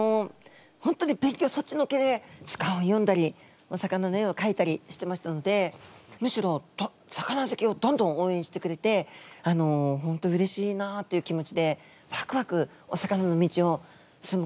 本当に勉強そっちのけで図鑑を読んだりお魚の絵をかいたりしてましたのでむしろ魚好きをどんどんおうえんしてくれて本当うれしいなという気持ちでワクワクお魚の道を進むことができたんですね。